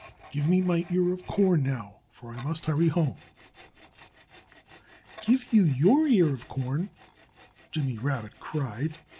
"Give me my ear of corn now, for I must hurry home." "Give you your ear of corn?" Jimmy Rabbit cried.